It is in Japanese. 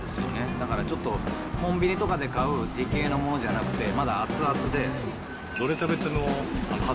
だからちょっと、コンビニとかで買う、出来合いのものじゃなくて、まだ熱々で。